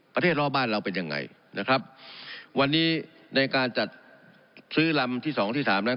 รอบบ้านเราเป็นยังไงนะครับวันนี้ในการจัดซื้อลำที่สองที่สามนั้น